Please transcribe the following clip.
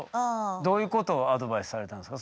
どういうことをアドバイスされたんですか？